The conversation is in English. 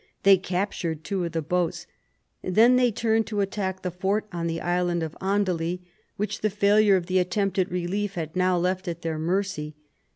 They captured two of the boats. Then they turned to attack the fort on the isle of Andely, which the failure of the attempt at relief had now left at their mercy.